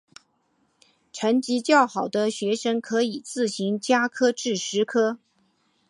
成绩较好学生可自行加科至十科。